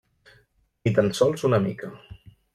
Ni tan sols una mica.